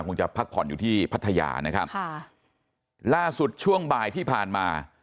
จะพักผ่อนอยู่ที่พัทยานะครับค่ะล่าสุดช่วงบ่ายที่ผ่านมา